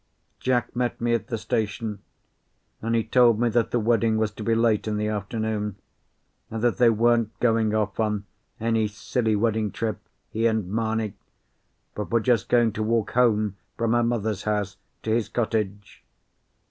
Jack met me at the station, and he told me that the wedding was to be late in the afternoon, and that they weren't going off on any silly wedding trip, he and Mamie, but were just going to walk home from her mother's house to his cottage.